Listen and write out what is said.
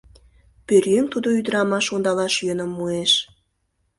Пӧръеҥ тудо ӱдырамаш ондалаш йӧным муэш.